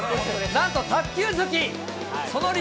なんと卓球好き。